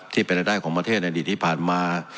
ที่เป็นรายได้ของประเทศในอดีตที่ผ่านมา